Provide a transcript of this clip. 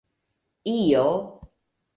io